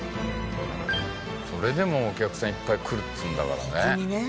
それでもお客さんいっぱい来るっつうんだからね。